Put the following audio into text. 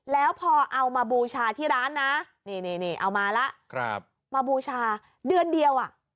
แล้วพอเอามาบูชาที่ร้านนะนี่เอามาแล้วมาบูชาเดือนเดียวอ่ะ